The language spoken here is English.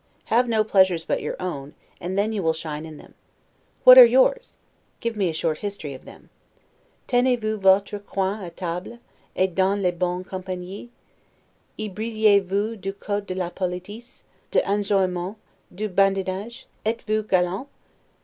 Have no pleasures but your own, and then you will shine in them. What are yours? Give me a short history of them. 'Tenez vous votre coin a table, et dans les bonnes compagnies? y brillez vous du cote de la politesse, de d'enjouement, du badinage? Etes vous galant?